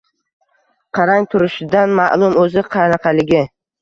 Qarang, turishidan maʼlum, oʻzi, qanaqaligi